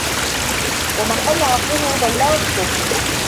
وَمَنْ قَلَّ عَقْلُهُ ضَلَّ أَصْلُهُ